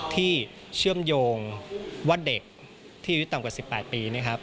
ที่เชื่อมโยงว่าเด็กที่ต่ำกว่า๑๘ปี